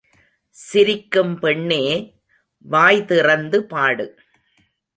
சிரிக்கும் பெண்ணே வாய் திறந்து பாடு!